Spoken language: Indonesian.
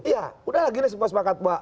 ya sudah lagi nih semua sempat